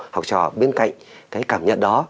học trò bên cạnh cái cảm nhận đó